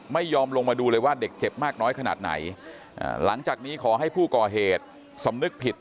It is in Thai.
ไม่ยอมลงมาดูเลยว่าเด็กเจ็บมากน้อยขนาดไหนหลังจากนี้ขอให้ผู้ก่อเหตุสำนึกผิด